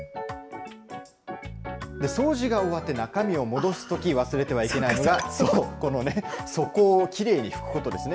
掃除が終わって、中身を戻すとき、忘れてはいけないのが、そう、この底をきれいに拭くことですね。